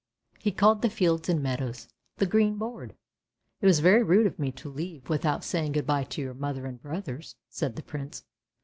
He called the fields and meadows " the green board." " It was very rude of me to leave without saying good bye to your mother and brothers," said the Prince.